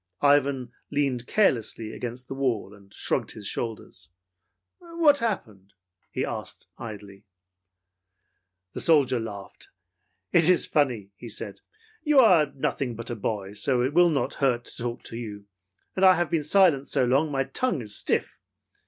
Ivan leaned carelessly against the wall and shrugged his shoulders. "What happened?" he asked, idly. The soldier laughed. "It is funny," he said. "You are nothing but a boy, so it will not hurt to talk to you, and I have been silent so long that my tongue's stiff.